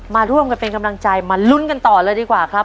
มาร่วมกันเป็นกำลังใจมาลุ้นกันต่อเลยดีกว่าครับ